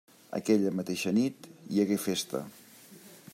Aquella mateixa nit hi hagué festa.